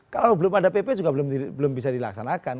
kalau belum ada pp juga belum bisa dilaksanakan